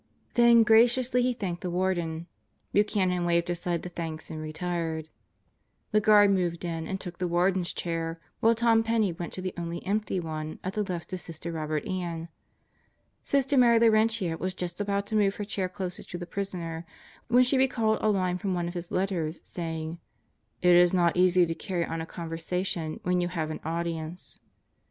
Then graciously he thanked the Warden. Buchanan waved aside the thanks and retired. The guard moved in and took the Warden's chair while Tom Penney went to the only empty one at the left of Sister Robert Ann. Sister Mary Laurentia was just about to move her chair doser to the prisoner when she recalled a line from one of his letters saying: "It is not easy to carry on a conversation when you have an audience."